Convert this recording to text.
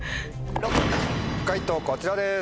解答こちらです。